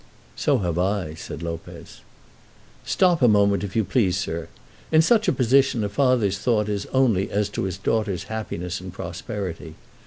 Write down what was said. "So have I," said Lopez. "Stop a moment, if you please, sir. In such a position a father's thought is only as to his daughter's happiness and prosperity.